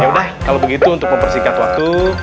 yaudah kalo begitu untuk mempersingkat waktu